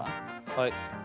はい。